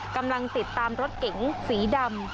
กำลังติดตามรถเก๋งสีดำ